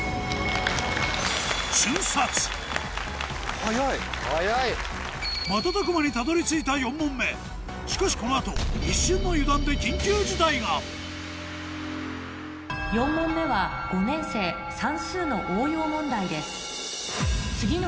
瞬く間にたどり着いた４問目しかしこの後一瞬の油断で４問目は５年生算数の応用問題です